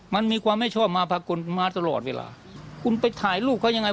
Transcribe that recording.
มันมีความไม่ชอบมาพากลมาตลอดเวลาคุณไปถ่ายรูปเขายังไง